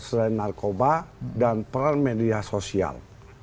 selain narkoba dan peran media sosial